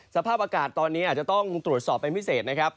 สภาพอากาศตอนนี้อาจจะต้องตรวจสอบเป็นพิเศษนะครับ